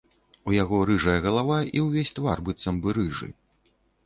У яго рыжая галава і ўвесь твар быццам бы рыжы.